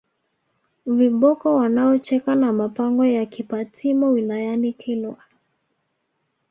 viboko wanaocheka na mapango ya Kipatimo wilayani Kilwa